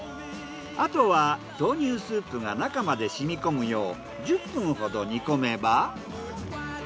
あとは豆乳スープが中まで染み込むよう１０分ほど煮込めば。